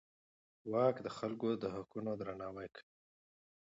واک د خلکو د حقونو درناوی کوي.